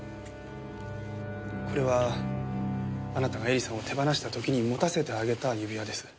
これはあなたが絵里さんを手放した時に持たせてあげた指輪です。